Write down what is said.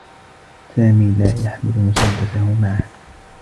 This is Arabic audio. سامي لا يحمل مسدّسه معه.